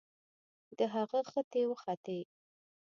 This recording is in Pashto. د هغه ختې وختې